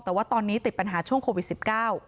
แต่ว่าตอนนี้ติดปัญหาช่วงโควิด๑๙